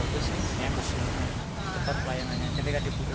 untuk pelayanannya tidak dibutuhkan menunggu setengah jam karena datangnya dari sendiri kita